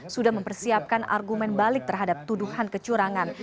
sudah mempersiapkan argumen balik terhadap tuduhan kecurangan